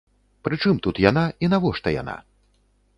Прычым тут яна і навошта яна?